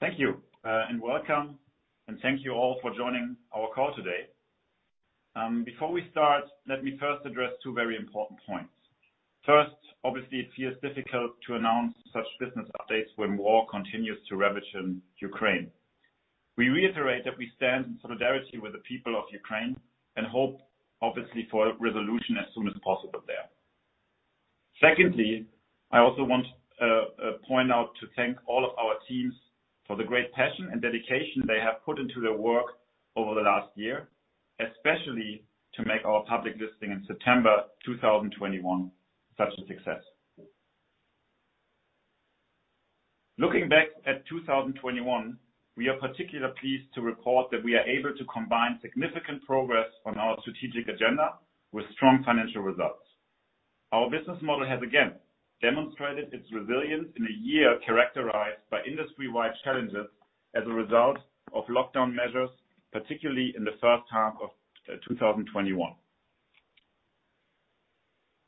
Thank you, and welcome, and thank you all for joining our call today. Before we start, let me first address two very important points. First, obviously, it feels difficult to announce such business updates when war continues to ravage in Ukraine. We reiterate that we stand in solidarity with the people of Ukraine and hope, obviously, for a resolution as soon as possible there. Secondly, I also want to thank all of our teams for the great passion and dedication they have put into their work over the last year, especially to make our public listing in September 2021 such a success. Looking back at 2021, we are particularly pleased to report that we are able to combine significant progress on our strategic agenda with strong financial results. Our business model has again demonstrated its resilience in a year characterized by industry-wide challenges as a result of lockdown measures, particularly in the first half of 2021.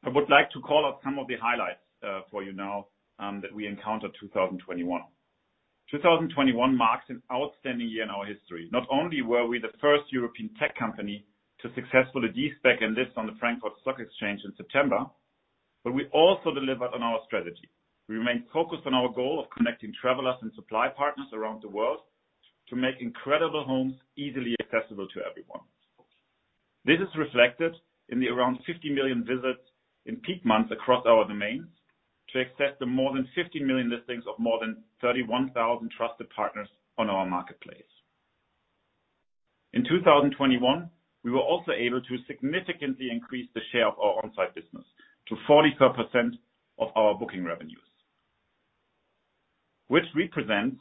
I would like to call out some of the highlights for you now that we encountered 2021. 2021 marks an outstanding year in our history. Not only were we the first European tech company to successfully de-SPAC and list on the Frankfurt Stock Exchange in September, but we also delivered on our strategy. We remain focused on our goal of connecting travelers and supply partners around the world to make incredible homes easily accessible to everyone. This is reflected in the around 50 million visits in peak months across our domains to access the more than 50 million listings of more than 31,000 trusted partners on our marketplace. In 2021, we were also able to significantly increase the share of our on-site business to 44% of our booking revenues, which represents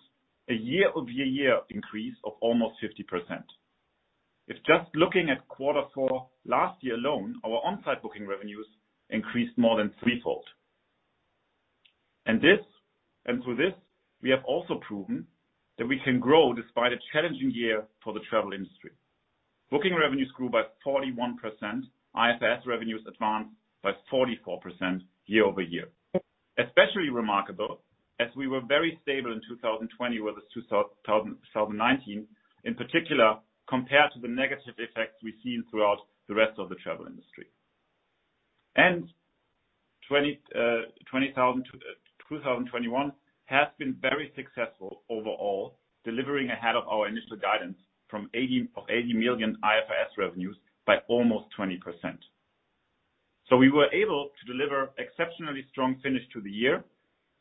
a year-over-year increase of almost 50%. If just looking at quarter four last year alone, our on-site booking revenues increased more than threefold. Through this, we have also proven that we can grow despite a challenging year for the travel industry. Booking revenues grew by 41%. IFRS revenues advanced by 44% year-over-year. Especially remarkable, as we were very stable in 2020 with 2019, in particular, compared to the negative effects we've seen throughout the rest of the travel industry. 2021 has been very successful overall, delivering ahead of our initial guidance from 80 million IFRS revenues by almost 20%. We were able to deliver exceptionally strong finish to the year,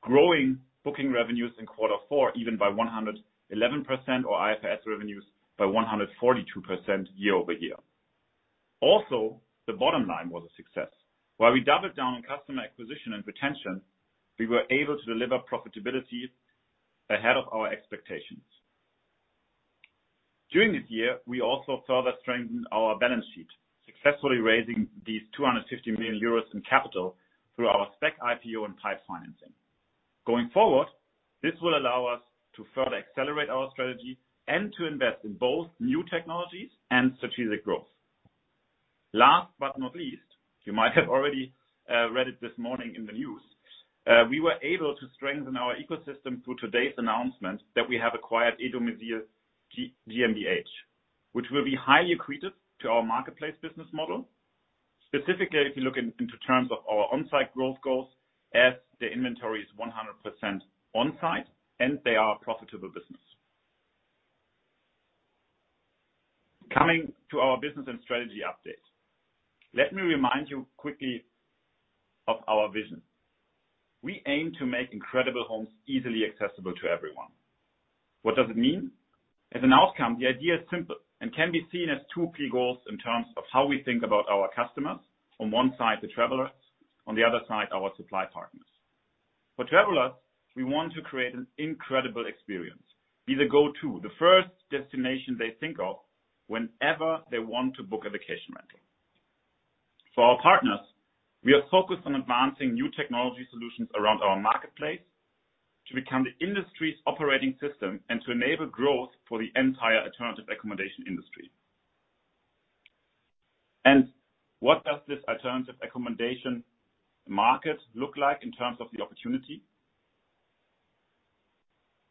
growing booking revenues in quarter four even by 111% or IFRS revenues by 142% year-over-year. Also, the bottom line was a success. While we doubled down on customer acquisition and retention, we were able to deliver profitability ahead of our expectations. During this year, we also further strengthened our balance sheet, successfully raising 250 million euros in capital through our SPAC IPO and PIPE financing. Going forward, this will allow us to further accelerate our strategy and to invest in both new technologies and strategic growth. Last but not least, you might have already read it this morning in the news, we were able to strengthen our ecosystem through today's announcement that we have acquired e-domizil GmbH, which will be highly accretive to our marketplace business model. Specifically, if you look into terms of our on-site growth goals as the inventory is 100% on-site and they are a profitable business. Coming to our business and strategy updates. Let me remind you quickly of our vision. We aim to make incredible homes easily accessible to everyone. What does it mean? As an outcome, the idea is simple and can be seen as two key goals in terms of how we think about our customers. On one side, the travelers, on the other side, our supply partners. For travelers, we want to create an incredible experience, be the go-to, the first destination they think of whenever they want to book a vacation rental. For our partners, we are focused on advancing new technology solutions around our marketplace to become the industry's operating system and to enable growth for the entire alternative accommodation industry. What does this alternative accommodation market look like in terms of the opportunity?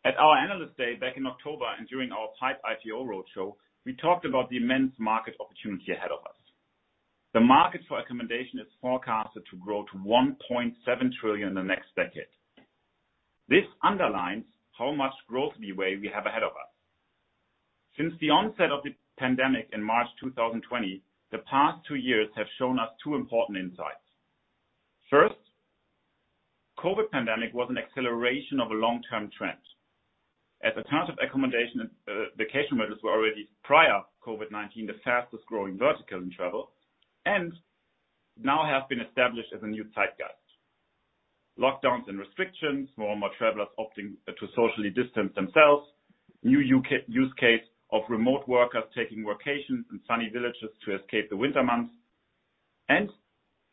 At our Analyst Day back in October and during our PIPE IPO roadshow, we talked about the immense market opportunity ahead of us. The market for accommodation is forecasted to grow to 1.7 trillion in the next decade. This underlines how much growth leeway we have ahead of us. Since the onset of the pandemic in March 2020, the past two years have shown us two important insights. First, COVID pandemic was an acceleration of a long-term trend. Alternative accommodation and vacation rentals were already prior COVID-19, the fastest growing vertical in travel, and now have been established as a new zeitgeist. Lockdowns and restrictions, more and more travelers opting to socially distance themselves, new use case of remote workers taking workations in sunny villages to escape the winter months.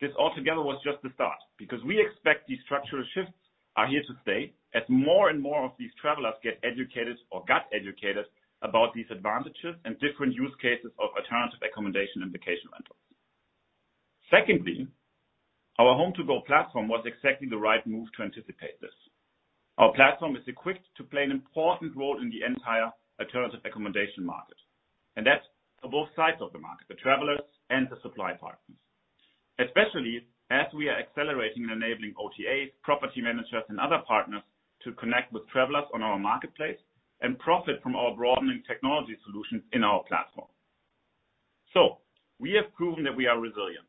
This all together was just the start because we expect these structural shifts are here to stay as more and more of these travelers get educated or got educated about these advantages and different use cases of alternative accommodation and vacation rentals. Secondly, our HomeToGo platform was exactly the right move to anticipate this. Our platform is equipped to play an important role in the entire alternative accommodation market, and that's for both sides of the market, the travelers and the supply partners. Especially as we are accelerating and enabling OTAs, property managers and other partners to connect with travelers on our marketplace and profit from our broadening technology solutions in our platform. We have proven that we are resilient.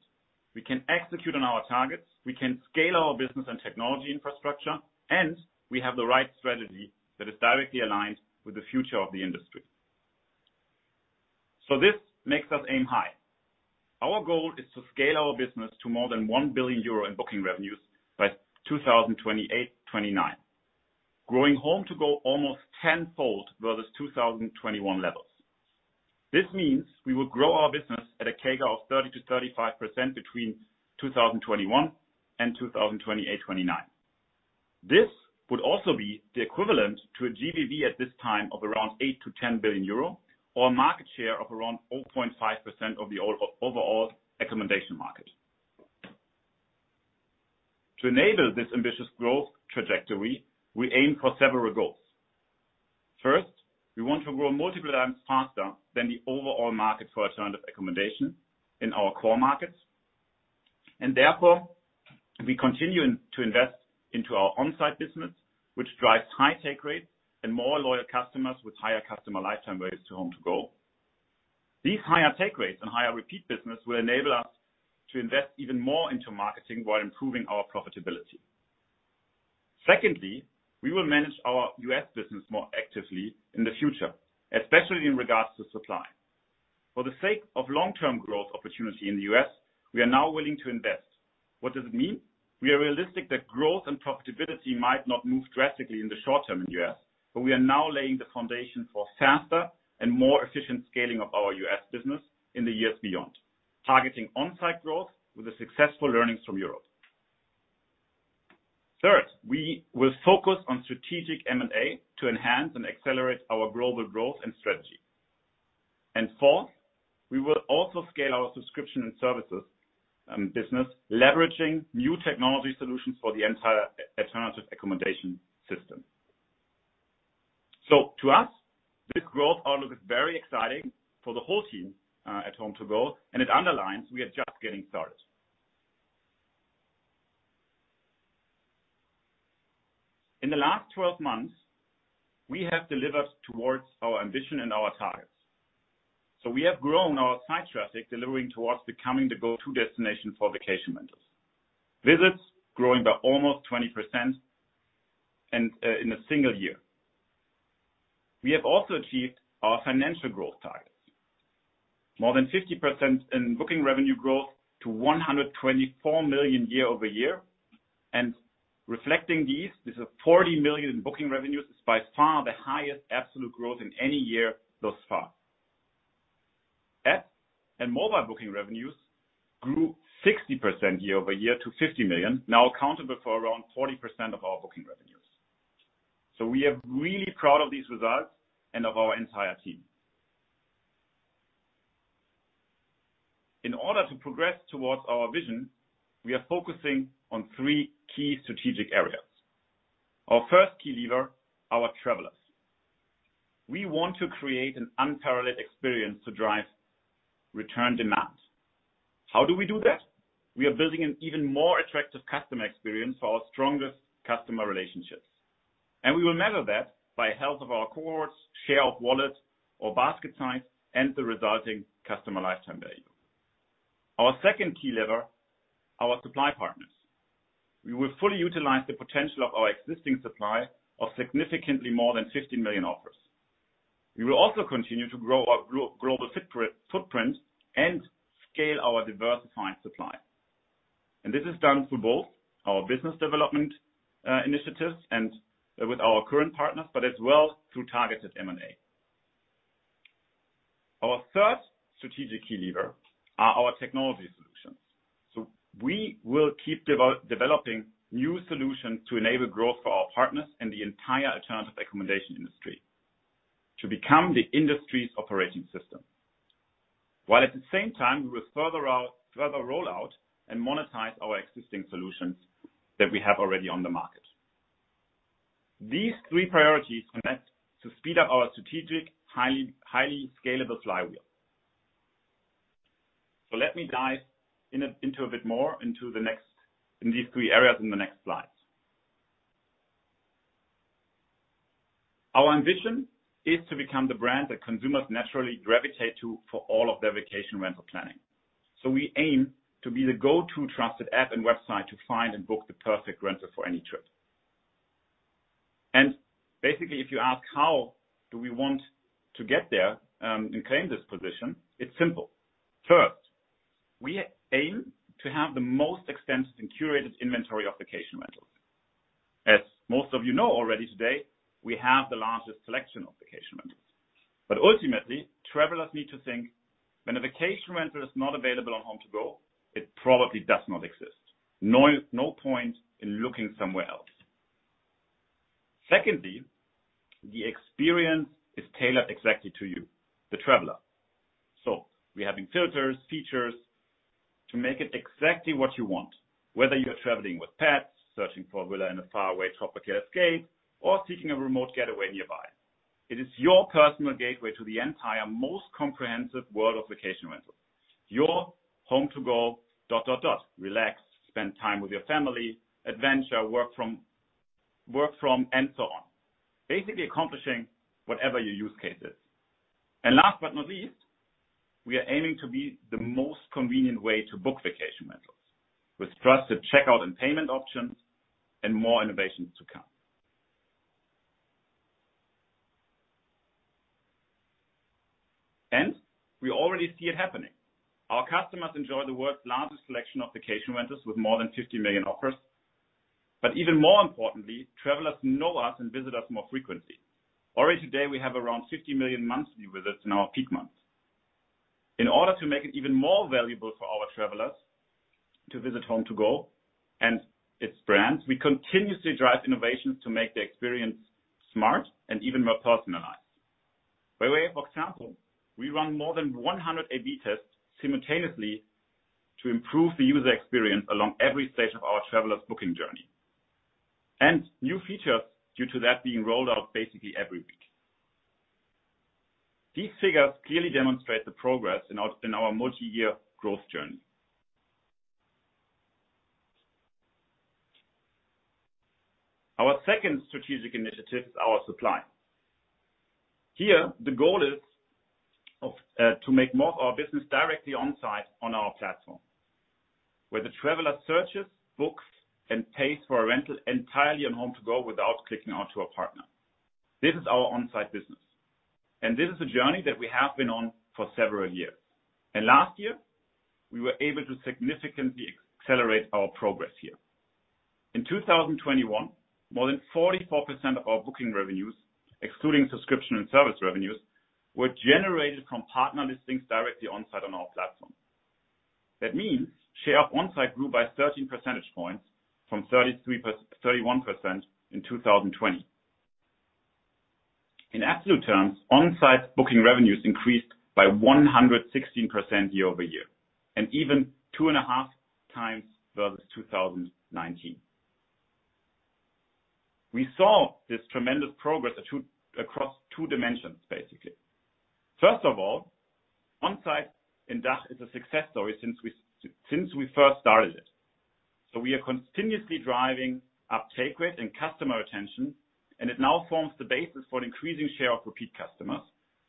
We can execute on our targets, we can scale our business and technology infrastructure, and we have the right strategy that is directly aligned with the future of the industry. This makes us aim high. Our goal is to scale our business to more than 1 billion euro in booking revenues by 2028-2029, growing HomeToGo almost tenfold versus 2021 levels. This means we will grow our business at a CAGR of 30%-35% between 2021 and 2028-2029. This would also be the equivalent to a GBV at this time of around 8 billion-10 billion euro or a market share of around 0.5% of the overall accommodation market. To enable this ambitious growth trajectory, we aim for several goals. First, we want to grow multiple times faster than the overall market for alternative accommodation in our core markets. Therefore, we continue to invest into our on-site business, which drives high take rates and more loyal customers with higher customer lifetime value to HomeToGo. These higher take rates and higher repeat business will enable us to invest even more into marketing while improving our profitability. Secondly, we will manage our U.S. business more actively in the future, especially in regards to supply. For the sake of long-term growth opportunity in the U.S., we are now willing to invest. What does it mean? We are realistic that growth and profitability might not move drastically in the short term in U.S., but we are now laying the foundation for faster and more efficient scaling of our U.S. business in the years beyond. Targeting on-site growth with the successful learnings from Europe. Third, we will focus on strategic M&A to enhance and accelerate our global growth and strategy. Fourth, we will also scale our subscription and services business, leveraging new technology solutions for the entire alternative accommodation system. To us, this growth outlook is very exciting for the whole team at HomeToGo, and it underlines we are just getting started. In the last 12 months, we have delivered towards our ambition and our targets. We have grown our site traffic, delivering towards becoming the go-to destination for vacation rentals. Visits growing by almost 20% and in a single year. We have also achieved our financial growth targets. More than 50% in booking revenue growth to 124 million year-over-year. Reflecting these, this is 40 million in booking revenues, is by far the highest absolute growth in any year thus far. App and mobile booking revenues grew 60% year-over-year to 50 million, now accounting for around 40% of our booking revenues. We are really proud of these results and of our entire team. In order to progress towards our vision, we are focusing on three key strategic areas. Our first key lever, our travelers. We want to create an unparalleled experience to drive return demand. How do we do that? We are building an even more attractive customer experience for our strongest customer relationships. We will measure that by health of our cohorts, share of wallet or basket size, and the resulting customer lifetime value. Our second key lever, our supply partners. We will fully utilize the potential of our existing supply of significantly more than 15 million offers. We will also continue to grow our global footprint, and scale our diversified supply. This is done through both our business development initiatives and with our current partners, but as well through targeted M&A. Our third strategic key lever are our technology solutions. We will keep developing new solutions to enable growth for our partners in the entire alternative accommodation industry to become the industry's operating system. While at the same time, we will further roll out and monetize our existing solutions that we have already on the market. These three priorities connect to speed up our strategic, highly scalable flywheel. Let me dive into a bit more into these three areas in the next slides. Our ambition is to become the brand that consumers naturally gravitate to for all of their vacation rental planning. We aim to be the go-to trusted app and website to find and book the perfect rental for any trip. Basically, if you ask how do we want to get there, and claim this position, it's simple. First, we aim to have the most extensive and curated inventory of vacation rentals. As most of you know already today, we have the largest selection of vacation rentals. Ultimately, travelers need to think when a vacation rental is not available on HomeToGo, it probably does not exist. No, no point in looking somewhere else. Secondly, the experience is tailored exactly to you, the traveler. We're having filters, features to make it exactly what you want, whether you're traveling with pets, searching for a villa in a faraway tropical escape, or seeking a remote getaway nearby. It is your personal gateway to the entire most comprehensive world of vacation rentals. Your home to go. Relax, spend time with your family, adventure, work from, and so on. Basically accomplishing whatever your use case is. Last but not least, we are aiming to be the most convenient way to book vacation rentals with trusted checkout and payment options and more innovations to come. We already see it happening. Our customers enjoy the world's largest selection of vacation rentals with more than 50 million offers. Even more importantly, travelers know us and visit us more frequently. Already today, we have around 50 million monthly visits in our peak months. In order to make it even more valuable for our travelers to visit HomeToGo and its brands, we continuously drive innovations to make the experience smart and even more personalized. By the way, for example, we run more than 100 A/B tests simultaneously to improve the user experience along every stage of our travelers booking journey. New features due to that being rolled out basically every week. These figures clearly demonstrate the progress in our multi-year growth journey. Our second strategic initiative is our supply. Here, the goal is to make more of our business directly on-site on our platform, where the traveler searches, books, and pays for a rental entirely on HomeToGo without clicking onto a partner. This is our on-site business, and this is a journey that we have been on for several years. Last year, we were able to significantly accelerate our progress here. In 2021, more than 44% of our booking revenues, excluding subscription and service revenues, were generated from partner listings directly on-site on our platform. That means share of on-site grew by 13 percentage points from 31% in 2020. In absolute terms, on-site booking revenues increased by 116% year-over-year, and even 2.5x versus 2019. We saw this tremendous progress across two dimensions, basically. First of all, on-site in DACH is a success story since we first started it. We are continuously driving up take rate and customer retention, and it now forms the basis for an increasing share of repeat customers,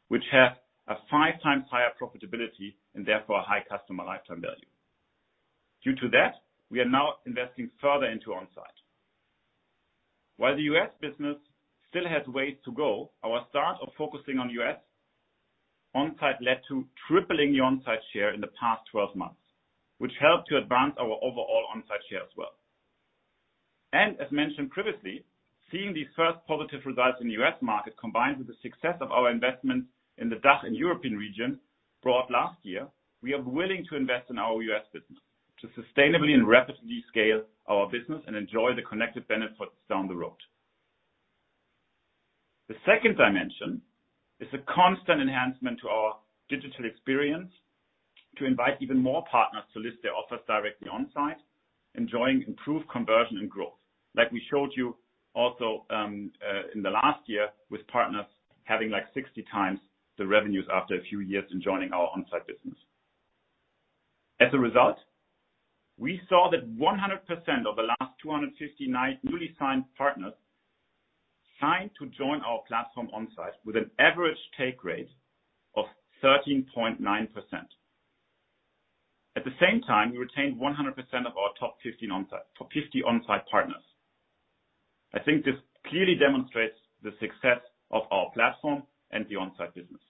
which have a 5x higher profitability and therefore a high customer lifetime value. Due to that, we are now investing further into on-site. While the U.S. business still has ways to go, our start of focusing on U.S. on-site led to tripling the on-site share in the past 12 months, which helped to advance our overall on-site share as well. As mentioned previously, seeing these first positive results in the U.S. market combined with the success of our investments in the DACH and European region brought last year, we are willing to invest in our U.S. business to sustainably and rapidly scale our business and enjoy the connected benefits down the road. The second dimension is a constant enhancement to our digital experience to invite even more partners to list their offers directly on-site, enjoying improved conversion and growth. Like we showed you also in the last year with partners having like 60 times the revenues after a few years in joining our on-site business. As a result, we saw that 100% of the last 259 newly signed partners signed to join our platform on-site with an average take rate of 13.9%. At the same time, we retained 100% of our top 50 on-site partners. I think this clearly demonstrates the success of our platform and the on-site business.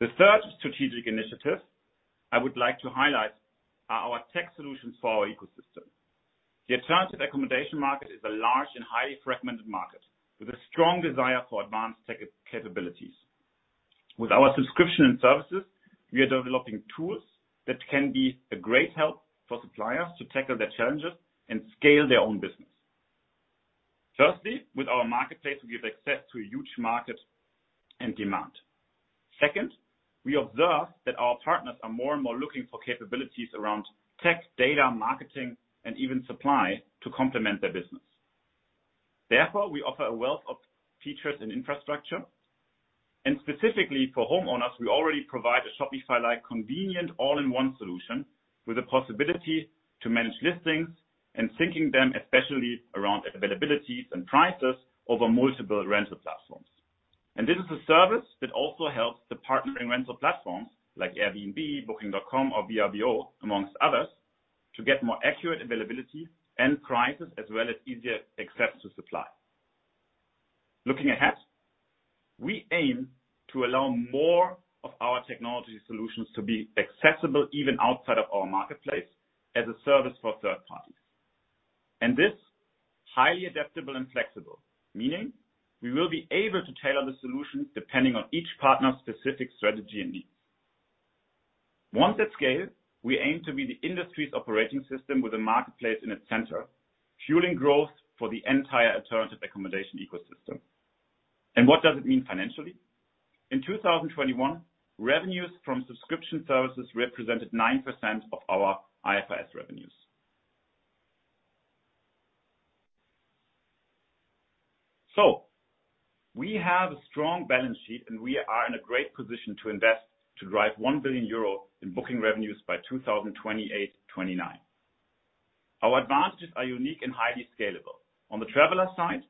The third strategic initiative I would like to highlight are our tech solutions for our ecosystem. The alternative accommodation market is a large and highly fragmented market with a strong desire for advanced tech capabilities. With our subscription and services, we are developing tools that can be a great help for suppliers to tackle their challenges and scale their own business. Firstly, with our marketplace, we give access to a huge market and demand. Second, we observe that our partners are more and more looking for capabilities around tech, data, marketing, and even supply to complement their business. Therefore, we offer a wealth of features and infrastructure. Specifically for homeowners, we already provide a Shopify-like convenient all-in-one solution with the possibility to manage listings and syncing them, especially around availabilities and prices over multiple rental platforms. This is a service that also helps the partnering rental platforms like Airbnb, Booking.com or Vrbo, among others, to get more accurate availability and prices as well as easier access to supply. Looking ahead, we aim to allow more of our technology solutions to be accessible even outside of our marketplace as a service for third parties. This, highly adaptable and flexible, meaning we will be able to tailor the solution depending on each partner's specific strategy and needs. Once at scale, we aim to be the industry's operating system with a marketplace in its center, fueling growth for the entire alternative accommodation ecosystem. What does it mean financially? In 2021, revenues from subscription services represented 9% of our IFRS revenues. We have a strong balance sheet, and we are in a great position to invest to drive 1 billion euro in booking revenues by 2028-2029. Our advantages are unique and highly scalable. On the traveler side,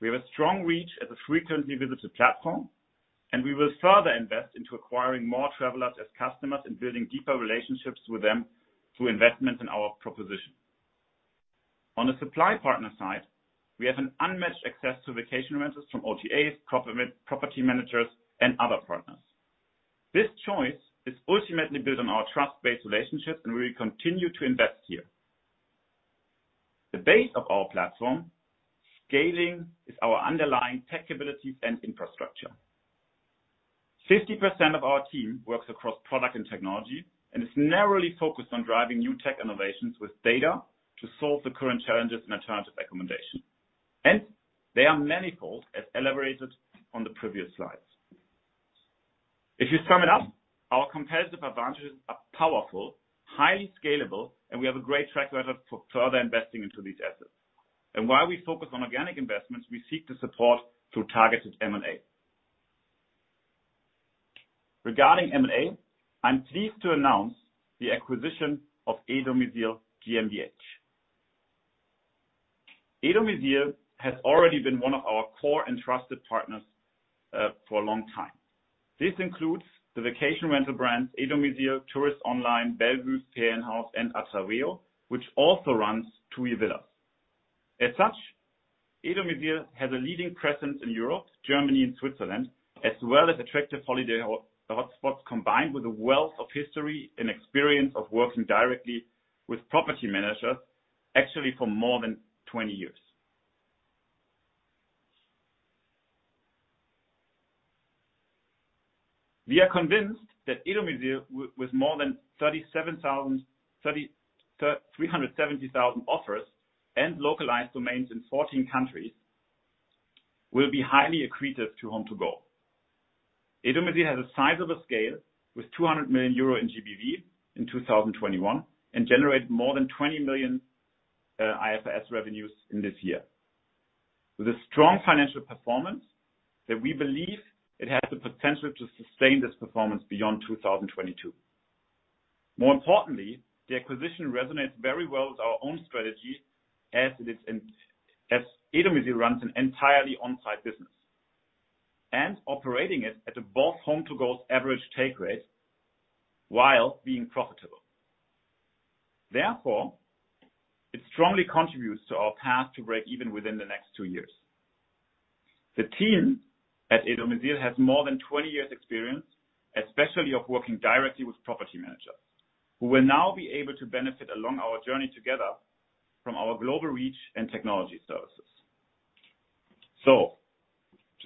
we have a strong reach as a frequently visited platform, and we will further invest into acquiring more travelers as customers and building deeper relationships with them through investments in our proposition. On the supply partner side, we have an unmatched access to vacation rentals from OTAs, property managers, and other partners. This choice is ultimately built on our trust-based relationships, and we will continue to invest here. The base of our platform scaling is our underlying tech abilities and infrastructure. 50% of our team works across product and technology and is narrowly focused on driving new tech innovations with data to solve the current challenges in alternative accommodation. They are manifold as elaborated on the previous slides. If you sum it up, our competitive advantages are powerful, highly scalable, and we have a great track record for further investing into these assets. While we focus on organic investments, we seek the support through targeted M&A. Regarding M&A, I'm pleased to announce the acquisition of e-domizil GmbH. e-domizil has already been one of our core and trusted partners, for a long time. This includes the vacation rental brands, e-domizil, tourist-online.de, Bellevue, PN House, and atraveo, which also runs TUI Villas. As such, e-domizil has a leading presence in Europe, Germany, and Switzerland, as well as attractive holiday hotspots, combined with a wealth of history and experience of working directly with property managers, actually for more than 20 years. We are convinced that e-domizil, with more than 337,000 offers and localized domains in 14 countries, will be highly accretive to HomeToGo. e-domizil has a sizable scale with 200 million euro in GBV in 2021 and generates more than 20 million IFRS revenues in this year. With a strong financial performance that we believe it has the potential to sustain this performance beyond 2022. More importantly, the acquisition resonates very well with our own strategy as e-domizil runs an entirely on-site business and operating it at above HomeToGo's average take rate while being profitable. Therefore, it strongly contributes to our path to break even within the next two years. The team at e-domizil has more than 20 years experience, especially of working directly with property managers, who will now be able to benefit along our journey together from our global reach and technology services.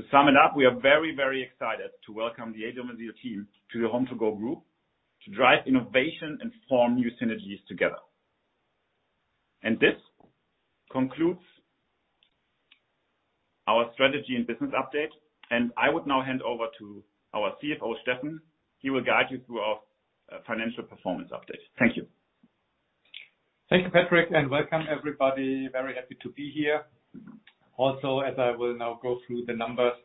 To sum it up, we are very, very excited to welcome the e-domizil team to the HomeToGo group to drive innovation and form new synergies together. This concludes our strategy and business update, and I would now hand over to our CFO, Steffen. He will guide you through our financial performance update. Thank you. Thank you, Patrick, and welcome everybody. Very happy to be here. Also, as I will now go through the numbers,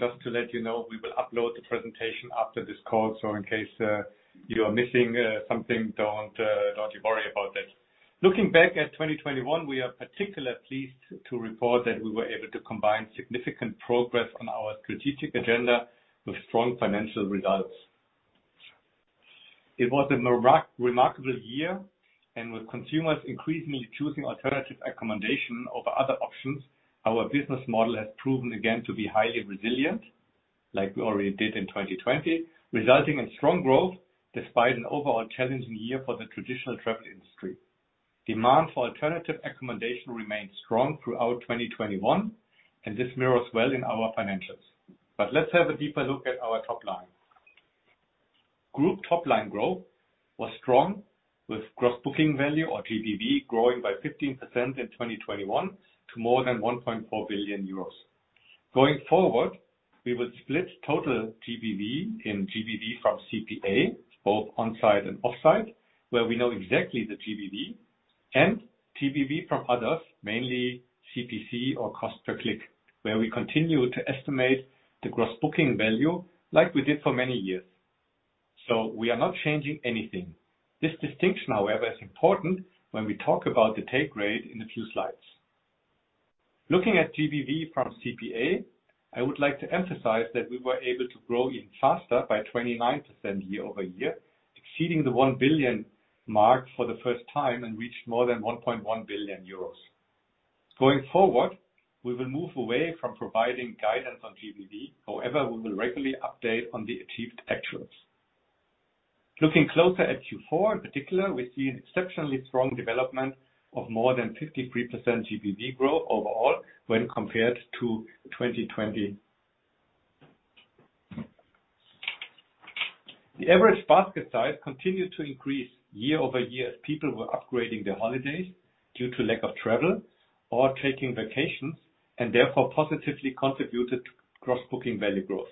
just to let you know, we will upload the presentation after this call, so in case you are missing something, don't you worry about it. Looking back at 2021, we are particularly pleased to report that we were able to combine significant progress on our strategic agenda with strong financial results. It was a remarkable year, and with consumers increasingly choosing alternative accommodation over other options, our business model has proven again to be highly resilient, like we already did in 2020, resulting in strong growth despite an overall challenging year for the traditional travel industry. Demand for alternative accommodation remained strong throughout 2021, and this mirrors well in our financials. Let's have a deeper look at our top line. Group top-line growth was strong with gross booking value or GBV growing by 15% in 2021 to more than 1.4 billion euros. Going forward, we will split total GBV and GBV from CPA, both on-site and off-site, where we know exactly the GBV and GBV from others, mainly CPC or cost per click, where we continue to estimate the gross booking value like we did for many years. We are not changing anything. This distinction, however, is important when we talk about the take rate in a few slides. Looking at GBV from CPA, I would like to emphasize that we were able to grow even faster by 29% year-over-year, exceeding the one billion mark for the first time and reached more than 1.1 billion euros. Going forward, we will move away from providing guidance on GBV. However, we will regularly update on the achieved actuals. Looking closer at Q4 in particular, we see an exceptionally strong development of more than 53% GBV growth overall when compared to 2021. The average basket size continued to increase year-over-year as people were upgrading their holidays due to lack of travel or taking vacations, and therefore positively contributed to gross booking value growth.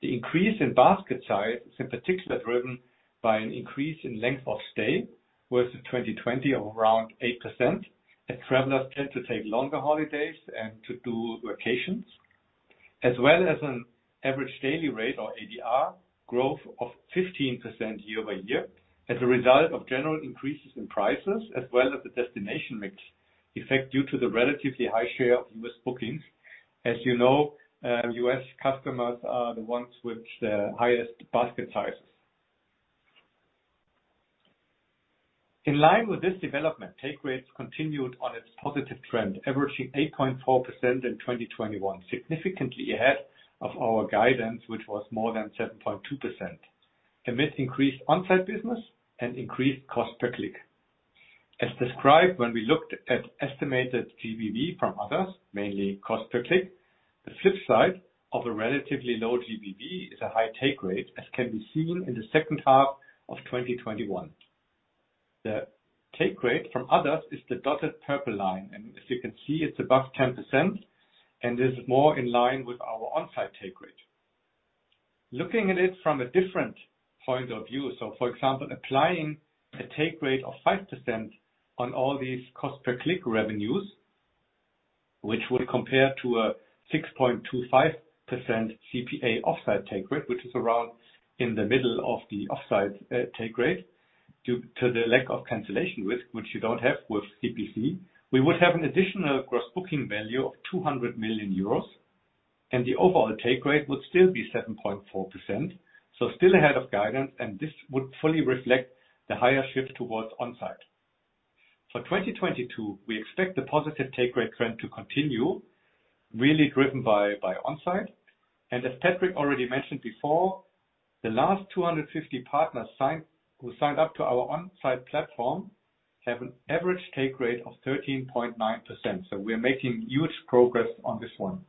The increase in basket size is in particular driven by an increase in length of stay versus 2020 of around 8%, as travelers tend to take longer holidays and to do vacations, as well as an average daily rate or ADR growth of 15% year-over-year as a result of general increases in prices, as well as the destination mix effect due to the relatively high share of U.S. bookings. As you know, U.S. customers are the ones with the highest basket sizes. In line with this development, take rates continued on its positive trend, averaging 8.4% in 2021, significantly ahead of our guidance, which was more than 7.2%, amidst increased on-site business and increased cost per click. As described when we looked at estimated GBV from others, mainly cost per click, the flip side of a relatively low GBV is a high take rate, as can be seen in the second half of 2021. The take rate from others is the dotted purple line. As you can see, it's above 10% and is more in line with our on-site take rate. Looking at it from a different point of view, so for example, applying a take rate of 5% on all these cost per click revenues, which would compare to a 6.25% CPA off-site take rate, which is around in the middle of the off-site take rate due to the lack of cancellation risk, which you don't have with CPC, we would have an additional gross booking value of 200 million euros, and the overall take rate would still be 7.4%, so still ahead of guidance, and this would fully reflect the higher shift towards on-site. For 2022, we expect the positive take rate trend to continue, really driven by on-site. As Patrick already mentioned before, the last 250 partners who signed up to our on-site platform have an average take rate of 13.9%. We are making huge progress on this one.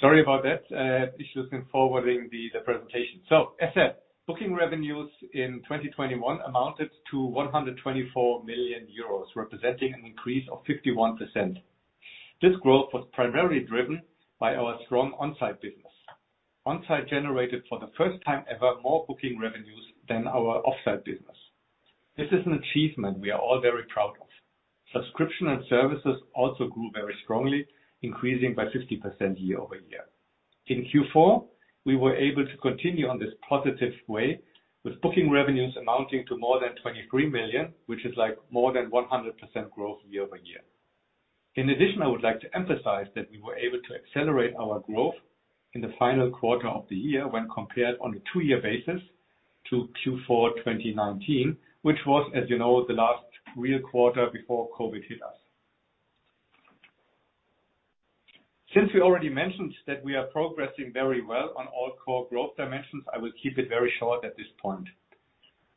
Sorry about that. I had issues in forwarding the presentation. As said, booking revenues in 2021 amounted to 124 million euros, representing an increase of 51%. This growth was primarily driven by our strong on-site business. On-site generated for the first time ever more booking revenues than our off-site business. This is an achievement we are all very proud of. Subscription and services also grew very strongly, increasing by 50% year over year. In Q4, we were able to continue on this positive way, with booking revenues amounting to more than 23 million, which is like more than 100% growth year-over-year. In addition, I would like to emphasize that we were able to accelerate our growth in the final quarter of the year when compared on a two-year basis to Q4 2019, which was, as you know, the last real quarter before COVID hit us. Since we already mentioned that we are progressing very well on all core growth dimensions, I will keep it very short at this point.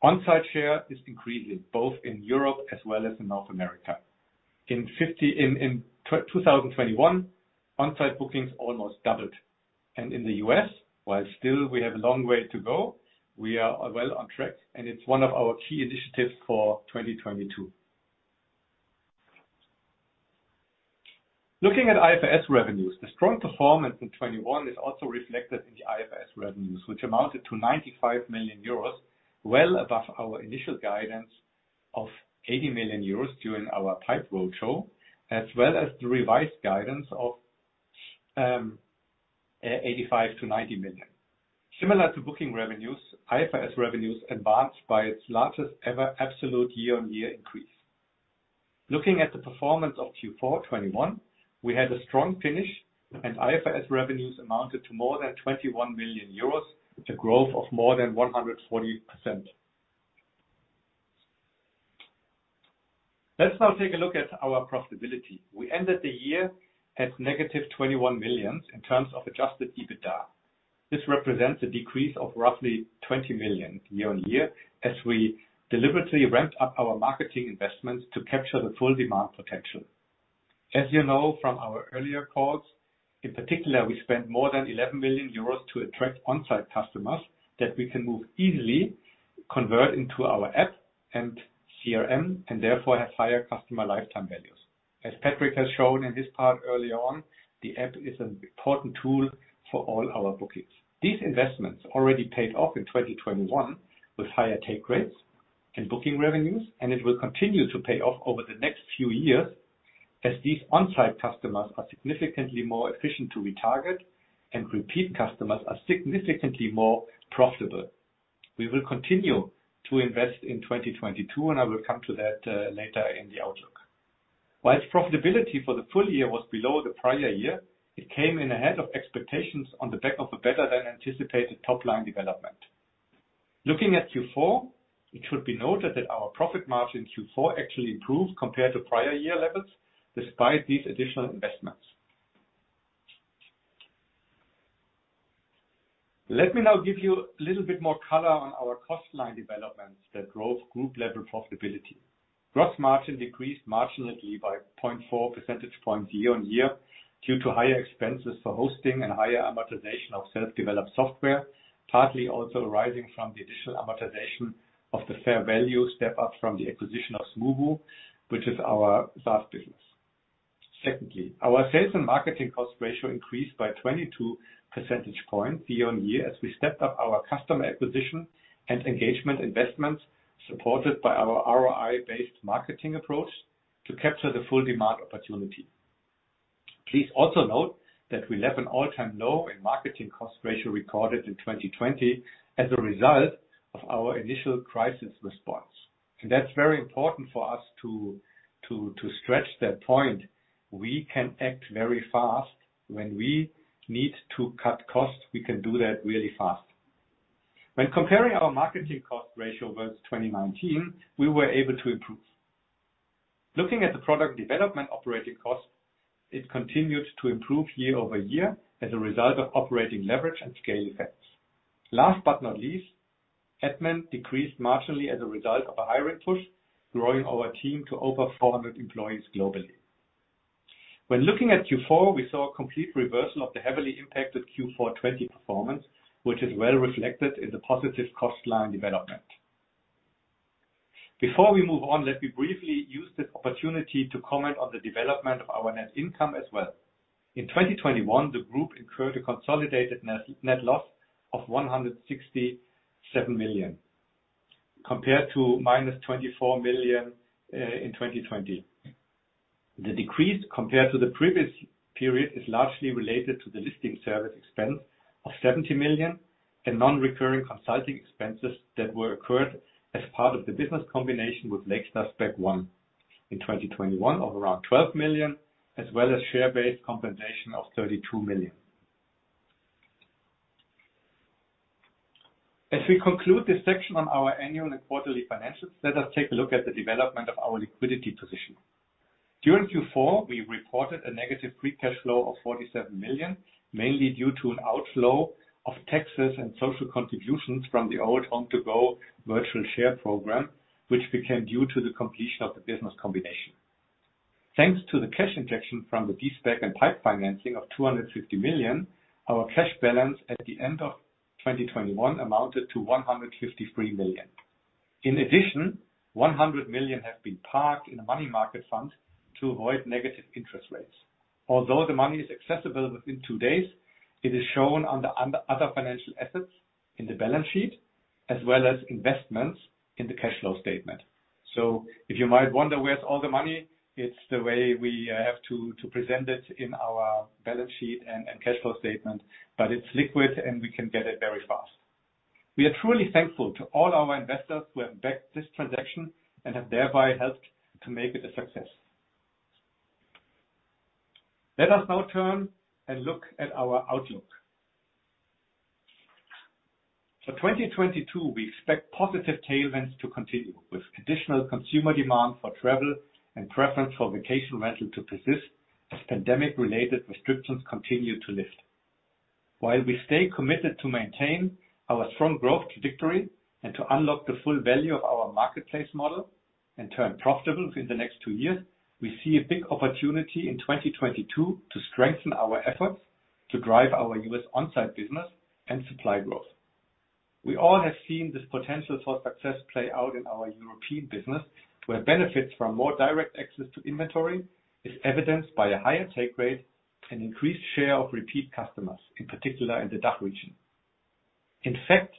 On-site share is increasing both in Europe as well as in North America. In 2021, on-site bookings almost doubled. In the US, while still we have a long way to go, we are well on track, and it's one of our key initiatives for 2022. Looking at IFRS revenues, the strong performance in 2021 is also reflected in the IFRS revenues, which amounted to 95 million euros, well above our initial guidance of 80 million euros during our PIPE roadshow, as well as the revised guidance of eighty-five to ninety million. Similar to booking revenues, IFRS revenues advanced by its largest ever absolute year-on-year increase. Looking at the performance of Q4 2021, we had a strong finish, and IFRS revenues amounted to more than 21 million euros, with a growth of more than 140%. Let's now take a look at our profitability. We ended the year at -21 million in terms of adjusted EBITDA. This represents a decrease of roughly 20 million year on year as we deliberately ramped up our marketing investments to capture the full demand potential. As you know from our earlier calls, in particular, we spent more than 11 million euros to attract on-site customers that we can move easily, convert into our app and CRM, and therefore have higher customer lifetime values. As Patrick has shown in his part early on, the app is an important tool for all our bookings. These investments already paid off in 2021 with higher take rates and booking revenues, and it will continue to pay off over the next few years as these on-site customers are significantly more efficient to retarget, and repeat customers are significantly more profitable. We will continue to invest in 2022, and I will come to that later in the outlook. While its profitability for the full year was below the prior year, it came in ahead of expectations on the back of a better than anticipated top-line development. Looking at Q4, it should be noted that our profit margin in Q4 actually improved compared to prior year levels despite these additional investments. Let me now give you a little bit more color on our cost line developments that drove group-level profitability. Gross margin decreased marginally by 0.4 percentage points year-over-year due to higher expenses for hosting and higher amortization of self-developed software, partly also rising from the additional amortization of the fair value step-up from the acquisition of Smoobu, which is our SaaS business. Secondly, our sales and marketing cost ratio increased by 22 percentage points year-on-year as we stepped up our customer acquisition and engagement investments supported by our ROI-based marketing approach to capture the full demand opportunity. Please also note that we left an all-time low in marketing cost ratio recorded in 2020 as a result of our initial crisis response. That's very important for us to stretch that point. We can act very fast when we need to cut costs, we can do that really fast. When comparing our marketing cost ratio versus 2019, we were able to improve. Looking at the product development operating cost, it continued to improve year-over-year as a result of operating leverage and scale effects. Last but not least, admin decreased marginally as a result of a hiring push, growing our team to over 400 employees globally. When looking at Q4, we saw a complete reversal of the heavily impacted Q4 2020 performance, which is well reflected in the positive cost line development. Before we move on, let me briefly use this opportunity to comment on the development of our net income as well. In 2021, the group incurred a consolidated net loss of 167 million, compared to minus 24 million in 2020. The decrease compared to the previous period is largely related to the listing service expense of 70 million and non-recurring consulting expenses that were incurred as part of the business combination with Lakestar SPAC I in 2021 of around 12 million, as well as share-based compensation of 32 million. As we conclude this section on our annual and quarterly financials, let us take a look at the development of our liquidity position. During Q4, we reported a negative free cash flow of 47 million, mainly due to an outflow of taxes and social contributions from the old HomeToGo virtual share program, which became due to the completion of the business combination. Thanks to the cash injection from the de-SPAC and pipe financing of 250 million, our cash balance at the end of 2021 amounted to 153 million. In addition, 100 million have been parked in a money market fund to avoid negative interest rates. Although the money is accessible within 2 days, it is shown under other financial assets in the balance sheet as well as investments in the cash flow statement. If you might wonder where's all the money, it's the way we have to present it in our balance sheet and cash flow statement, but it's liquid and we can get it very fast. We are truly thankful to all our investors who have backed this transaction and have thereby helped to make it a success. Let us now turn and look at our outlook. For 2022, we expect positive tailwinds to continue with traditional consumer demand for travel and preference for vacation rental to persist as pandemic-related restrictions continue to lift. While we stay committed to maintain our strong growth trajectory and to unlock the full value of our marketplace model and turn profitable within the next two years, we see a big opportunity in 2022 to strengthen our efforts to drive our U.S. on-site business and supply growth. We all have seen this potential for success play out in our European business, where benefits from more direct access to inventory is evidenced by a higher take rate and increased share of repeat customers, in particular in the DACH region. In fact,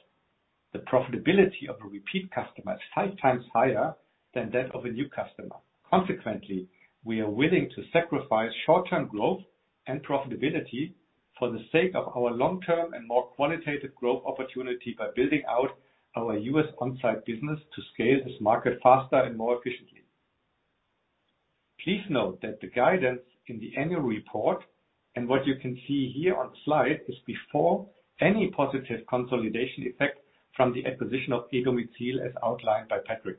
the profitability of a repeat customer is five times higher than that of a new customer. Consequently, we are willing to sacrifice short-term growth and profitability for the sake of our long-term and more qualitative growth opportunity by building out our U.S. on-site business to scale this market faster and more efficiently. Please note that the guidance in the annual report and what you can see here on slide is before any positive consolidation effect from the acquisition of e-domizil, as outlined by Patrick.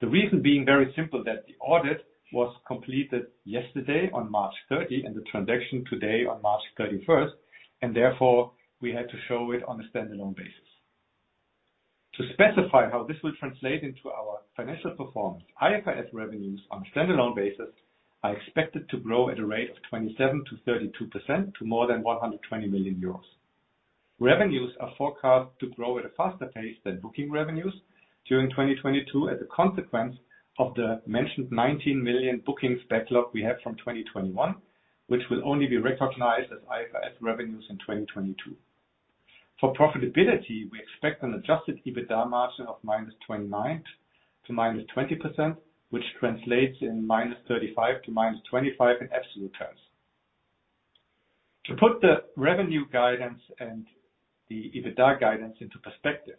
The reason being very simple that the audit was completed yesterday on March 30 and the transaction today on March 31, and therefore, we had to show it on a standalone basis. To specify how this will translate into our financial performance, IFRS revenues on a standalone basis are expected to grow at a rate of 27%-32% to more than 120 million euros. Revenues are forecast to grow at a faster pace than booking revenues during 2022 as a consequence of the mentioned 19 million bookings backlog we have from 2021, which will only be recognized as IFRS revenues in 2022. For profitability, we expect an adjusted EBITDA margin of -29% to -20%, which translates to -EUR 35 million to -25 million in absolute terms. To put the revenue guidance and the EBITDA guidance into perspective,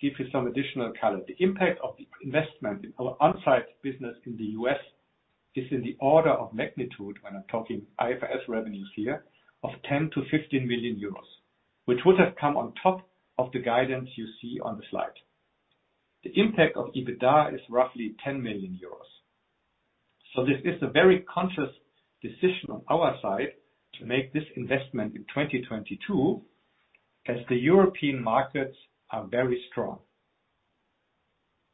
give you some additional color. The impact of the investment in our on-site business in the U.S. is in the order of magnitude when I'm talking IFRS revenues here of 10 million-15 million euros, which would have come on top of the guidance you see on the slide. The impact of EBITDA is roughly 10 million euros. This is a very conscious decision on our side to make this investment in 2022 as the European markets are very strong.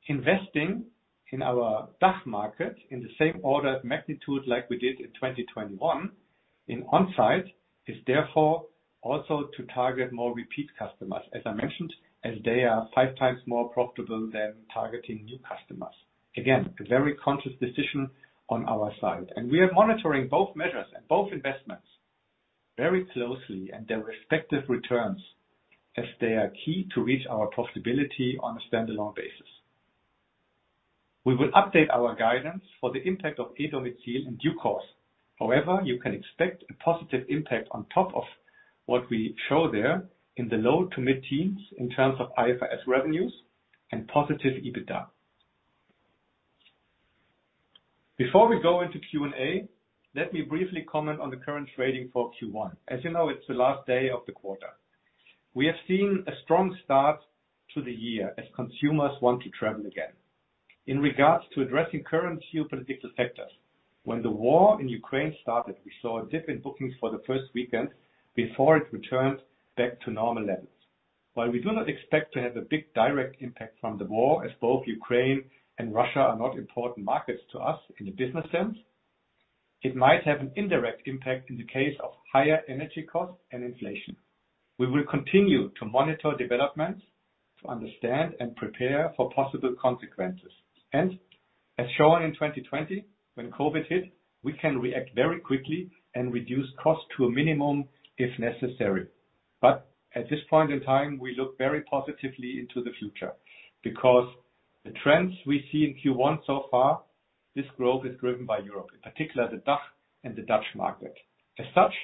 Investing in our DACH market in the same order of magnitude like we did in 2021 in on-site is therefore also to target more repeat customers, as I mentioned, as they are five times more profitable than targeting new customers. A very conscious decision on our side, and we are monitoring both measures and both investments very closely and their respective returns as they are key to reach our profitability on a standalone basis. We will update our guidance for the impact of AWTL in due course. However, you can expect a positive impact on top of what we show there in the low- to mid-teens% in terms of IFRS revenues and positive EBITDA. Before we go into Q&A, let me briefly comment on the current trading for Q1. As you know, it's the last day of the quarter. We have seen a strong start to the year as consumers want to travel again. In regards to addressing current geopolitical sectors, when the war in Ukraine started, we saw a dip in bookings for the first weekend before it returned back to normal levels. While we do not expect to have a big direct impact from the war, as both Ukraine and Russia are not important markets to us in a business sense, it might have an indirect impact in the case of higher energy costs and inflation. We will continue to monitor developments to understand and prepare for possible consequences. As shown in 2020 when COVID hit, we can react very quickly and reduce costs to a minimum if necessary. At this point in time, we look very positively into the future because the trends we see in Q1 so far, this growth is driven by Europe, in particular the DACH and the Dutch market. As such,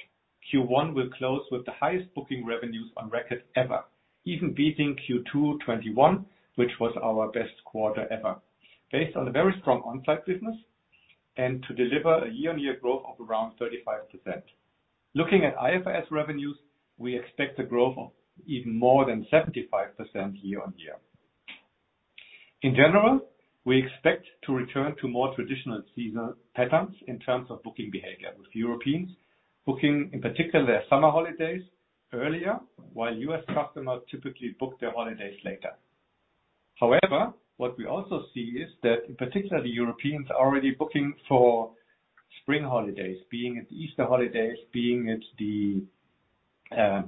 Q1 will close with the highest booking revenues on record ever, even beating Q2 2021, which was our best quarter ever. Based on a very strong on-site business and to deliver a year-on-year growth of around 35%. Looking at IFRS revenues, we expect a growth of even more than 75% year-on-year. In general, we expect to return to more traditional season patterns in terms of booking behavior, with Europeans booking, in particular their summer holidays earlier, while U.S. customers typically book their holidays later. However, what we also see is that in particular, the Europeans are already booking for spring holidays, be it Easter holidays, be it the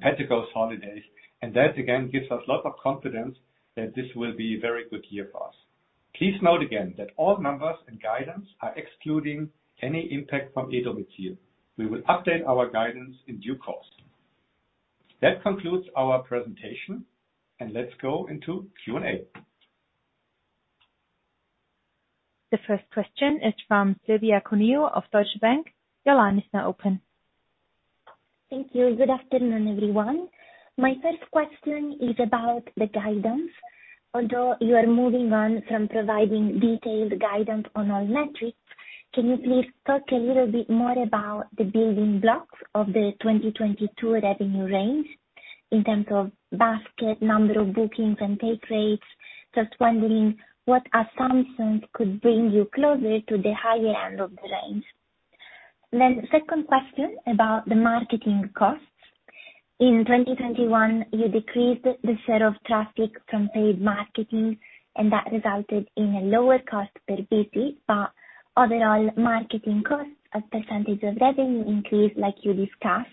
Pentecost holidays. That again gives us a lot of confidence that this will be a very good year for us. Please note again that all numbers and guidance are excluding any impact from AWT. We will update our guidance in due course. That concludes our presentation, and let's go into Q&A. The first question is from Silvia Cuneo of Deutsche Bank. Your line is now open. Thank you. Good afternoon, everyone. My first question is about the guidance. Although you are moving on from providing detailed guidance on all metrics, can you please talk a little bit more about the building blocks of the 2022 revenue range in terms of basket, number of bookings, and take rates? Just wondering what assumptions could bring you closer to the higher end of the range. Second question about the marketing costs. In 2021, you decreased the share of traffic from paid marketing, and that resulted in a lower cost per visit. Overall marketing costs as percentage of revenue increased like you discussed.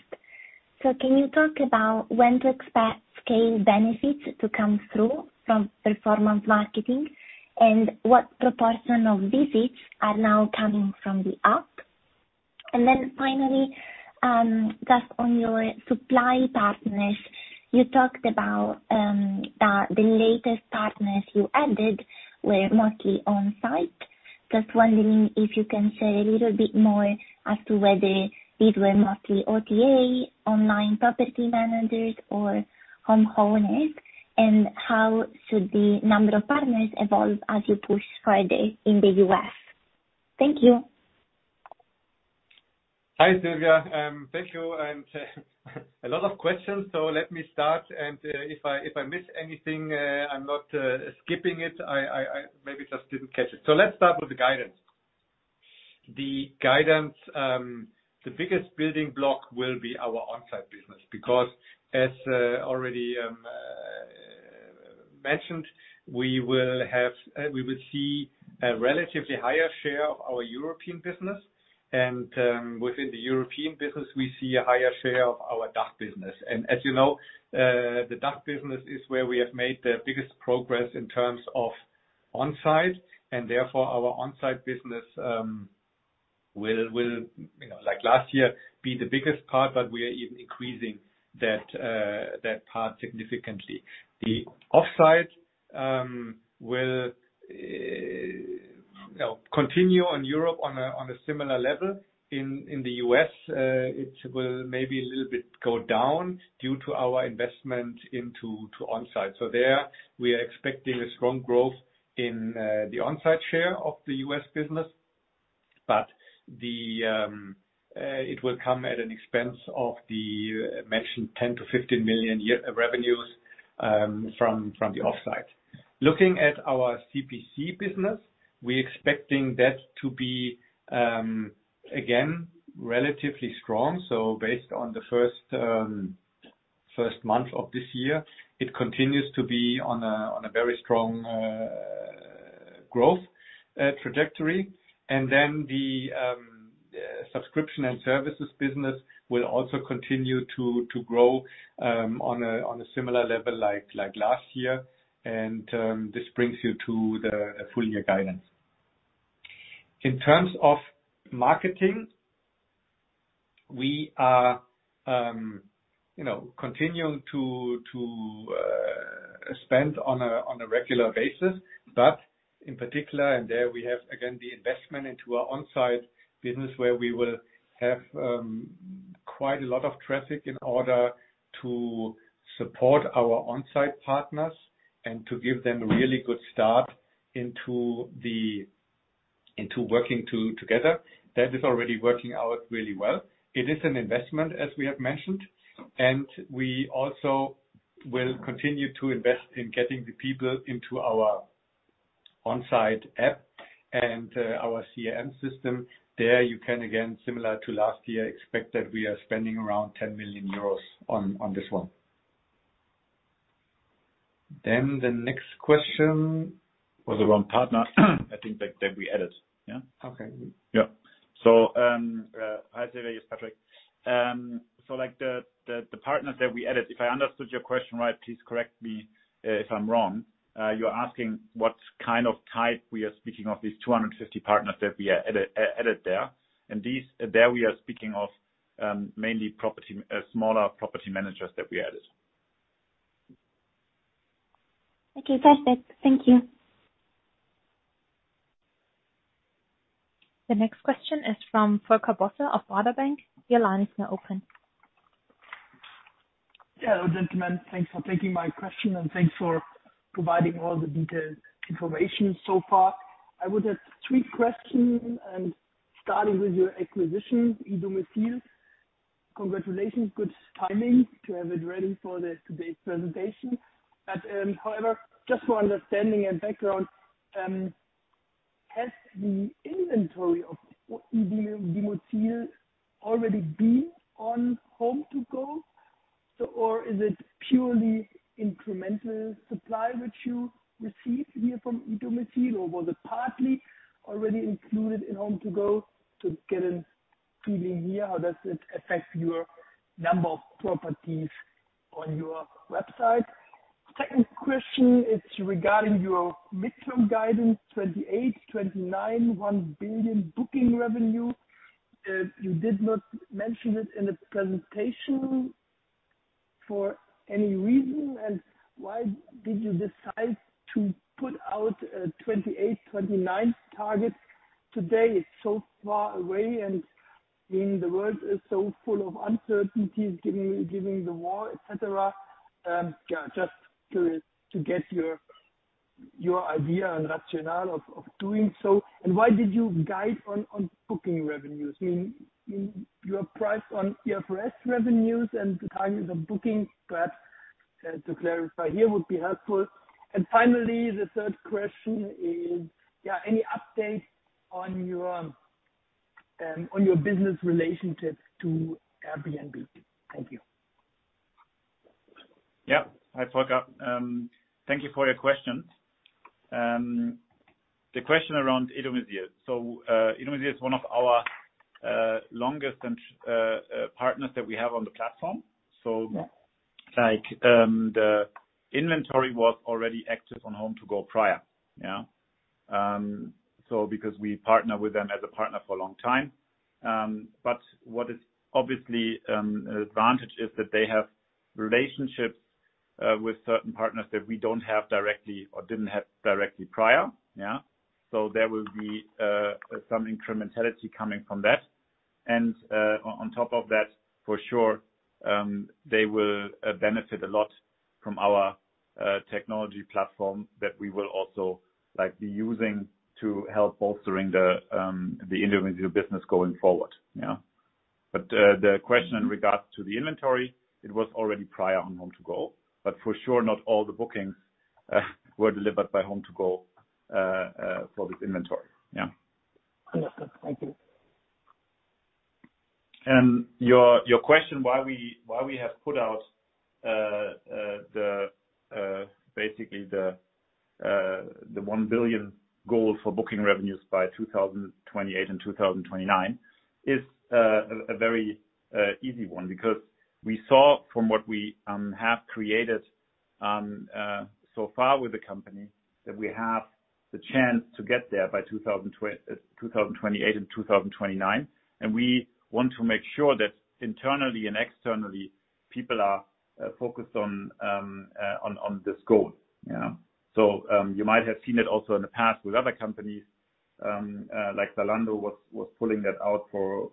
Can you talk about when to expect scale benefits to come through from performance marketing and what proportion of visits are now coming from the app? Finally, just on your supply partners, you talked about that the latest partners you added were mostly on-site. Just wondering if you can share a little bit more as to whether these were mostly OTA, online property managers or home owners, and how should the number of partners evolve as you push further in the U.S.? Thank you. Hi, Silvia. Thank you. A lot of questions. Let me start, if I miss anything, I'm not skipping it. I maybe just didn't catch it. Let's start with the guidance. The guidance, the biggest building block will be our on-site business, because as already mentioned, we will see a relatively higher share of our European business. Within the European business, we see a higher share of our DACH business. As you know, the DACH business is where we have made the biggest progress in terms of on-site, and therefore our on-site business will, you know, like last year, be the biggest part, but we are even increasing that part significantly. The off-site will, you know, continue in Europe on a similar level. In the U.S., it will maybe a little bit go down due to our investment into on-site. There we are expecting a strong growth in the on-site share of the U.S. business. It will come at an expense of the mentioned 10 million-15 million-year revenues from the off-site. Looking at our CPC business, we're expecting that to be again relatively strong. Based on the first month of this year, it continues to be on a very strong growth trajectory. The subscription and services business will also continue to grow on a similar level like last year. This brings you to the full year guidance. In terms of marketing, we are, you know, continuing to spend on a regular basis, but in particular, and there we have, again, the investment into our on-site business where we will have quite a lot of traffic in order to support our on-site partners and to give them a really good start into working together. That is already working out really well. It is an investment, as we have mentioned, and we also will continue to invest in getting the people into our on-site app and our CRM system. There you can, again, similar to last year, expect that we are spending around 10 million euros on this one. Then the next question. Was the wrong partner, I think that we added. Yeah? Okay. Hi, Silvia Cuneo, it's Patrick. Like the partners that we added, if I understood your question right, please correct me if I'm wrong. You're asking what kind of type we are speaking of these 250 partners that we added there. These we are speaking of mainly property smaller property managers that we added. Okay. Perfect. Thank you. The next question is from Volker Bosse of Baader Bank. Your line is now open. Hello, gentlemen. Thanks for taking my question, and thanks for providing all the detailed information so far. I would have three questions, starting with your acquisition, e-domizil. Congratulations. Good timing to have it ready for today's presentation. However, just for understanding and background, has the inventory of e-domizil already been on HomeToGo? Or is it purely incremental supply which you received here from e-domizil, or was it partly already included in HomeToGo to get a feeling here, how does it affect your number of properties on your website? Second question is regarding your midterm guidance, 2028, 2029, 1 billion booking revenue. You did not mention it in the presentation for any reason. Why did you decide to put out a 2028, 2029 target today? It's so far away and given the world is so full of uncertainties given the war, et cetera. Just to get your idea and rationale of doing so. Why did you guide on booking revenues? You are priced on IFRS revenues and the timing of booking, perhaps to clarify here would be helpful. Finally, the third question is, any update on your business relationship to Airbnb? Thank you. Hi, Volker. Thank you for your questions. The question around e-domizil. e-domizil is one of our longest-standing partners that we have on the platform. Like, the inventory was already active on HomeToGo prior. Because we partner with them as a partner for a long time. But the obvious advantage is that they have relationships with certain partners that we don't have directly or didn't have directly prior. There will be some incrementality coming from that. On top of that, for sure, they will benefit a lot from our technology platform that we will also, like, be using to help bolstering the individual business going forward. The question in regards to the inventory, it was already prior on HomeToGo, but for sure, not all the bookings were delivered by HomeToGo for this inventory. Yeah. Understood. Thank you. Your question why we have put out basically the 1 billion goal for booking revenues by 2028 and 2029 is a very easy one, because we saw from what we have created so far with the company, that we have the chance to get there by 2028 and 2029. We want to make sure that internally and externally, people are focused on this goal. Yeah. You might have seen it also in the past with other companies like Zalando was pulling that out for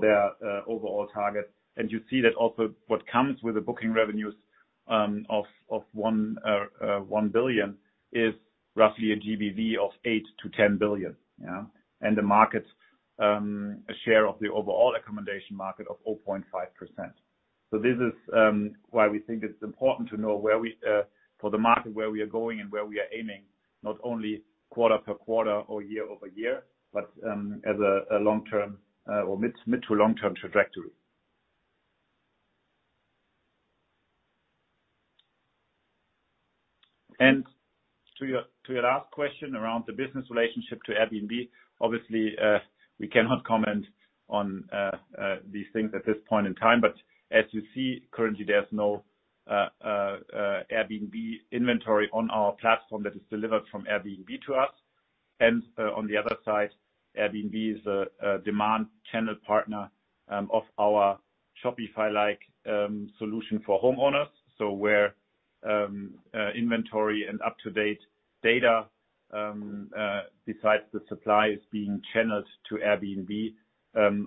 their overall target. You see that also what comes with the booking revenues of 1 billion is roughly a GBV of 8 billion-10 billion, yeah? The market share of the overall accommodation market is 0.5%. This is why we think it's important to know where we are in the market, where we are going and where we are aiming, not only quarter per quarter or year-over-year, but as a long-term or mid- to long-term trajectory. To your last question around the business relationship to Airbnb. Obviously, we cannot comment on these things at this point in time, but as you see currently there's no Airbnb inventory on our platform that is delivered from Airbnb to us. On the other side, Airbnb is a demand channel partner of our Shopify-like solution for homeowners. Where inventory and up-to-date data besides the supply is being channeled to Airbnb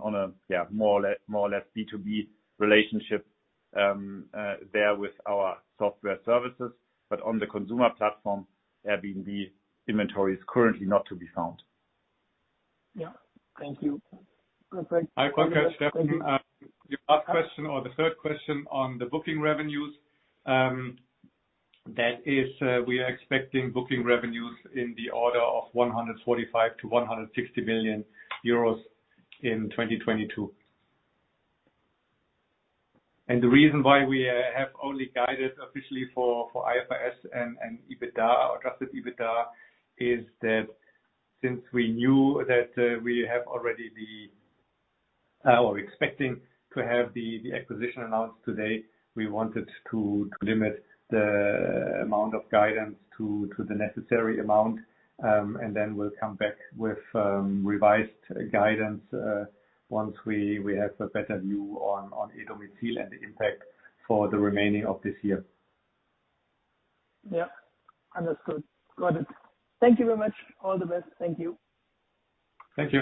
on a more or less B2B relationship there with our software services. On the consumer platform, Airbnb inventory is currently not to be found. Yeah. Thank you. Hi, Volker. Steffen, your last question or the third question on the booking revenues. That is, we are expecting booking revenues in the order of 145 million-160 million euros in 2022. The reason why we have only guided officially for IFRS and adjusted EBITDA is that since we knew that we are expecting to have the acquisition announced today, we wanted to limit the amount of guidance to the necessary amount. Then we'll come back with revised guidance once we have a better view on Smoobu and the impact for the remaining of this year. Yeah. Understood. Got it. Thank you very much. All the best. Thank you. Thank you.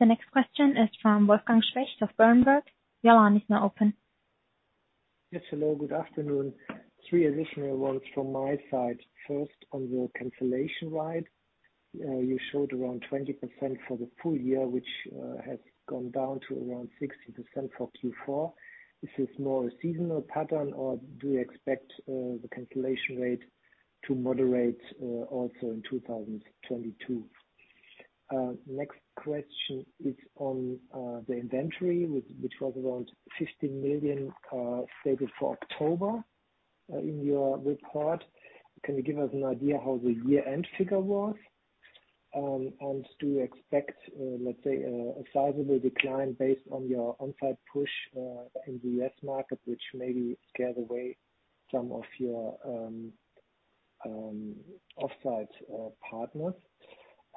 The next question is from Wolfgang Specht of Berenberg. Your line is now open. Yes, hello. Good afternoon. Three additional ones from my side. First, on your cancellation rate, you showed around 20% for the full year, which has gone down to around 60% for Q4. Is this more a seasonal pattern or do you expect the cancellation rate to moderate also in 2022? Next question is on the inventory which was around 15 million stated for October in your report. Can you give us an idea how the year-end figure was? And do you expect, let's say, a sizable decline based on your on-site push in the U.S. market, which maybe scared away some of your off-site partners?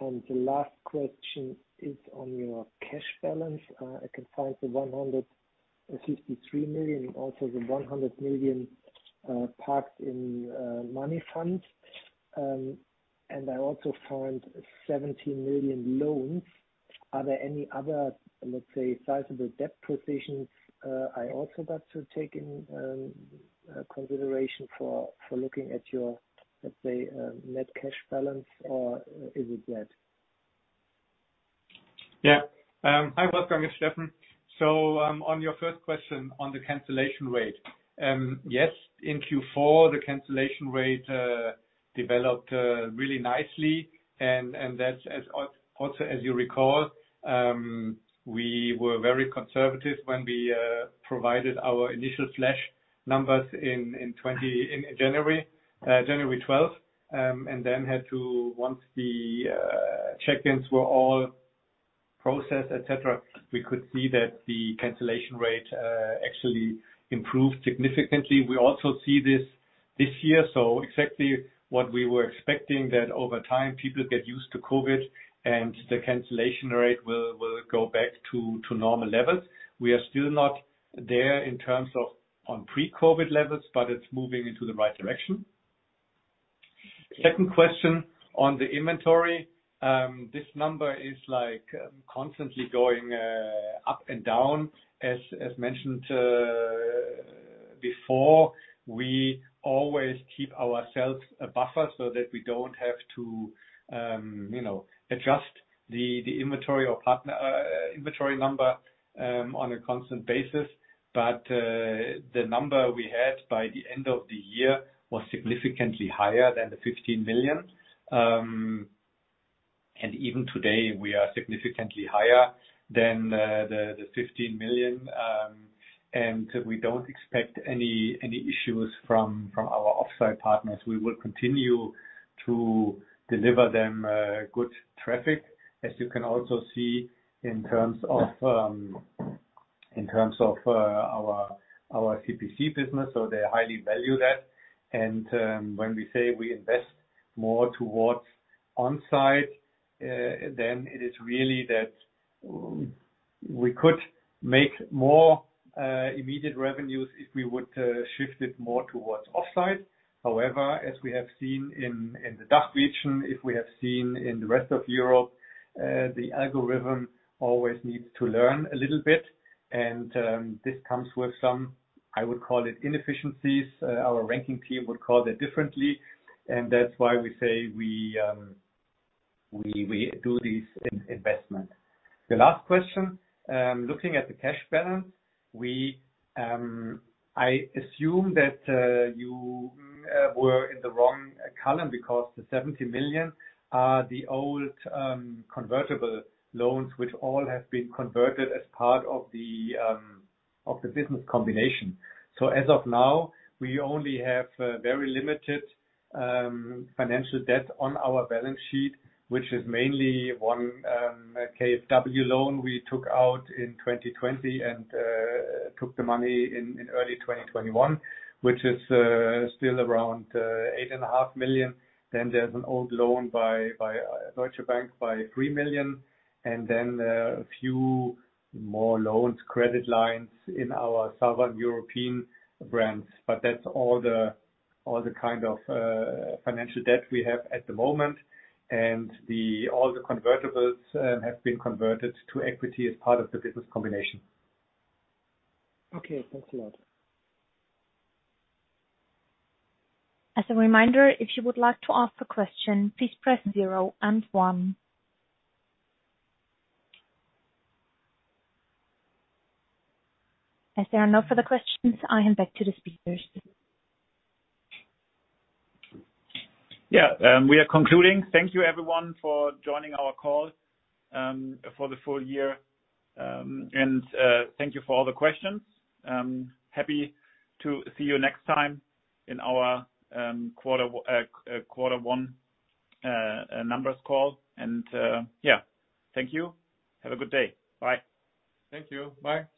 The last question is on your cash balance. I can find the 153 million, also the 100 million parked in money funds. I also found 17 million loans. Are there any other, let's say, sizable debt positions I also got to take into consideration for looking at your, let's say, net cash balance or is it that? Hi Wolfgang. It's Steffen. On your first question on the cancellation rate. Yes, in Q4 the cancellation rate developed really nicely and that's, as you also recall, we were very conservative when we provided our initial flash numbers in January twelfth. And then, once the check-ins were all processed, et cetera, we could see that the cancellation rate actually improved significantly. We also see this year, exactly what we were expecting that over time people get used to COVID and the cancellation rate will go back to normal levels. We are still not there in terms of pre-COVID levels, but it's moving in the right direction. Second question on the inventory. This number is like constantly going up and down. As mentioned, before, we always keep ourselves a buffer so that we don't have to, you know, adjust the inventory or partner inventory number on a constant basis. The number we had by the end of the year was significantly higher than the 15 million. Even today we are significantly higher than the 15 million. We don't expect any issues from our off-site partners. We will continue to deliver them good traffic, as you can also see in terms of our CPC business, so they highly value that. When we say we invest more towards on-site, then it is really that we could make more immediate revenues if we would shift it more towards off-site. However, as we have seen in the DACH region, as we have seen in the rest of Europe, the algorithm always needs to learn a little bit. This comes with some, I would call it inefficiencies. Our ranking team would call that differently, and that's why we say we do this investment. The last question, looking at the cash balance, I assume that you were in the wrong column because the 70 million are the old convertible loans which all have been converted as part of the business combination. As of now, we only have very limited financial debt on our balance sheet, which is mainly one KfW loan we took out in 2020 and took the money in early 2021, which is still around 8.5 million. Then there's an old loan by Fürst Fugger Privatbank of 3 million, and then a few more loans, credit lines in our Southern European brands. That's all the kind of financial debt we have at the moment. All the convertibles have been converted to equity as part of the business combination. Okay, thanks a lot. As a reminder, if you would like to ask a question, please press 0 and 1. As there are no further questions, I hand back to the speakers. We are concluding. Thank you everyone for joining our call for the full year. Thank you for all the questions. Happy to see you next time in our quarter one numbers call. Yeah, thank you. Have a good day. Bye. Thank you. Bye.